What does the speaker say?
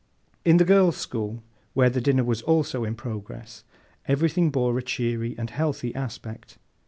In the girls' school, where the dinner was also in progress, everything bore a cheerful and healthy aspect.